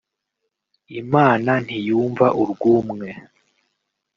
Imana ntiyumva urwumwe